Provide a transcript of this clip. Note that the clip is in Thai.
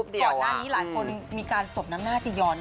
เพราะว่าก่อนหน้านี้หลายคนมีการสมน้ำหน้าจิยออน